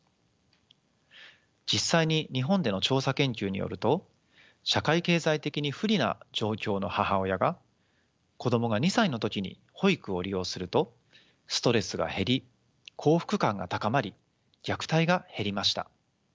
実際に日本での調査研究によると社会経済的に不利な状況の母親が子どもが２歳の時に保育を利用するとストレスが減り幸福感が高まり虐待が減りました。